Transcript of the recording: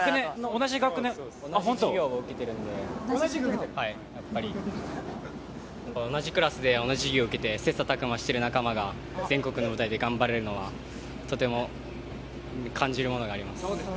同じ授業を受けているんで、同じクラスで同じ授業受けて切磋琢磨している仲間が全国の舞台で頑張れるのは、とても感じるものがあります。